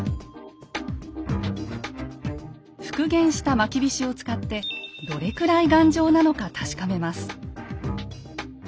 復元したまきびしを使ってどれくらい頑丈なのか確かめます。